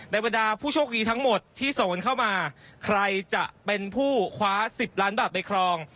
บรรดาผู้โชคดีทั้งหมดที่โสนเข้ามาใครจะเป็นผู้คว้า๑๐ล้านบาทไปครอง